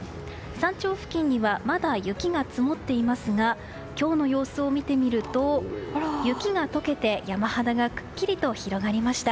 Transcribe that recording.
山頂付近にはまだ雪が積もっていますが今日の様子を見てみると雪が解けて山肌がくっきりと広がりました。